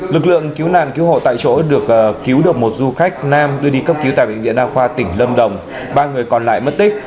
lực lượng cứu nàn cứu hộ tại chỗ được cứu được một du khách nam đưa đi cấp cứu tại bệnh viện a khoa tỉnh lâm đồng ba người còn lại mất tích